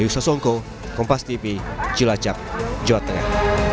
yusongko kompas tv cilacap jawa tengah